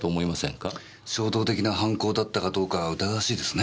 衝動的な犯行だったかどうか疑わしいですね。